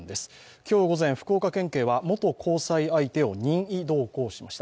今日午前、福岡県警は元交際相手を任意同行しました。